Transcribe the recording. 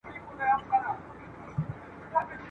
څوک منصور نسته چي یې په دار کي !.